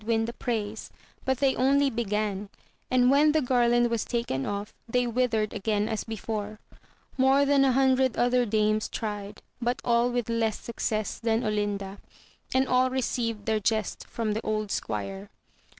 ^. win the praise, but they only began, and when the garland was taken off they withered again as before ; more than a hundred other dames tried, but all with less success than Olinda, and all received their jest from the old squire.